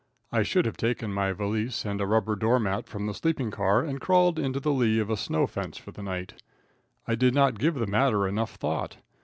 I should have taken my valise and a rubber door mat from the sleeping car, and crawled into the lee of a snow fence for the night. I did not give the matter enough thought.